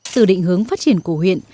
từ định hướng phát triển của huyện